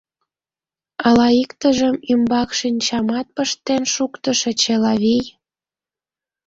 — Ала иктыжын ӱмбак шинчамат пыштен шуктышыч, Элавий?